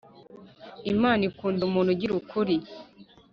Imana ikunda umuntu ugira ukuri